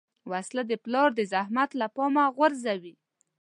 وسله د پلار زحمت له پامه غورځوي